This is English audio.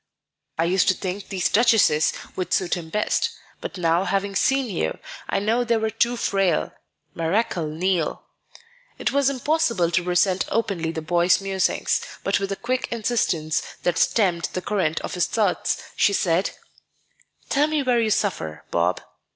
I used to think these Duchesses would suit him best; but now, having seen you, I know they were too frail, Marechal Niel." It was impossible to resent openly the boy's musings; but with a quick insistence that stemmed the current of his thoughts, she said, "Tell me where you suffer, Bob."